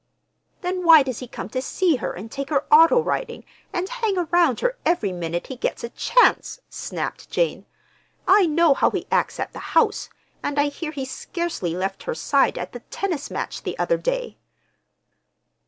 "Then why does he come to see her and take her auto riding, and hang around her every minute he gets a chance?" snapped Jane. "I know how he acts at the house, and I hear he scarcely left her side at the tennis match the other day."